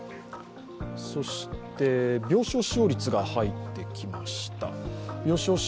そして、病床使用率が入ってきました。